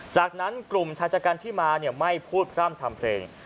จากนั้นกลุ่มชายชะกันที่มาไม่พูดพร่ำทำเพลง